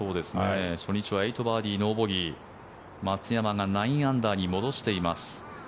初日は８バーディーノーボギー松山が９アンダーに戻しています。